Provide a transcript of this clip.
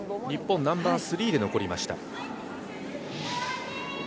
日本、ナンバースリーで残りました。